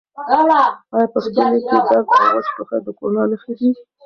آیا په ستوني کې درد او وچ ټوخی د کرونا نښې دي؟